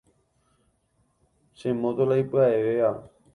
Che moto la ipya’evéva.